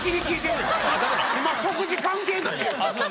今食事関係ないやん。